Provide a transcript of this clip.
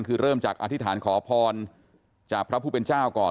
คือเริ่มจากอธิษฐานขอพรจากพระผู้เป็นเจ้าก่อน